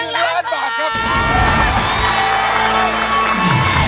ล้านบาทครับ